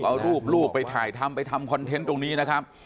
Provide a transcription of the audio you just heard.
เอารูปลูกไปถ่ายทำไปทำคอนเทนต์ตรงนี้นะครับ